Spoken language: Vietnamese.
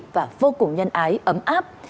và vô cùng nhân ái ấm áp